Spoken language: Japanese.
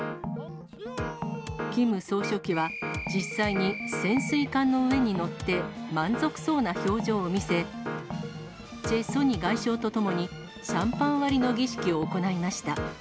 キム総書記は実際に潜水艦の上に乗って、満足そうな表情を見せ、チェ・ソニ外相と共にシャンパン割りの儀式を行いました。